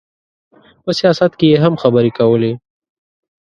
په سیاست کې یې هم خبرې کولې.